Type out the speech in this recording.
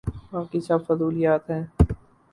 باقی سب فضولیات ہیں۔